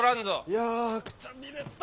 いやくたびれた。